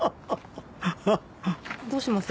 はっどうします？